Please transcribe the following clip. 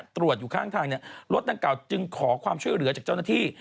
ตรวจอยู่ข้างทางเนี่ย